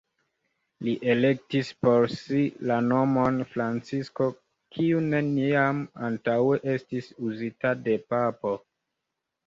Li elektis por si la nomon Francisko, kiu neniam antaŭe estis uzita de papo.